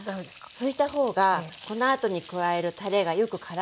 拭いた方がこのあとに加えるたれがよくからむんです。